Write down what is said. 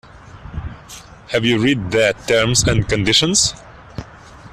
Have you read the terms and conditions?